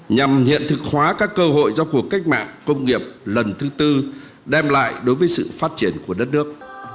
nhằm hiện thực hóa các cơ hội do cuộc cách mạng công nghiệp lần thứ tư đem lại đối với sự phát triển của đất nước